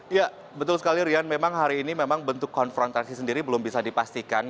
ya betul sekali rian memang hari ini memang bentuk konfrontasi sendiri belum bisa dipastikan